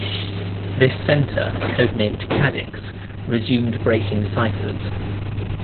This center, codenamed "Cadix", resumed breaking ciphers.